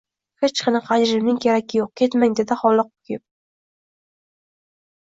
Hech qanaqa ajrimning keragi yo`q, ketmang, dedi hovliqib-kuyib